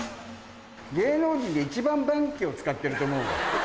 芸能人で一番万協を使ってると思う。